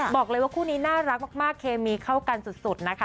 บอกเลยว่าคู่นี้น่ารักมากเคมีเข้ากันสุดนะคะ